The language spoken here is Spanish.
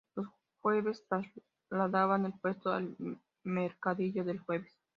Los jueves trasladaban el puesto al "mercadillo del Jueves".